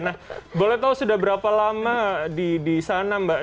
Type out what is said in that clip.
nah boleh tahu sudah berapa lama di sana mbak